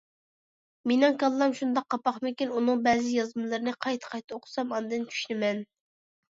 مېنىڭ كاللام شۇنداق قاپاقمىكىن، ئۇنىڭ بەزى يازمىلىرىنى قايتا-قايتا ئوقۇسام ئاندىن چۈشىنىمەن.